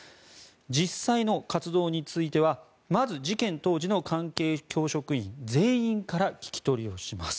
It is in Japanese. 実際の活動については、まず事件当時の関係教職員全員から聞き取りをします。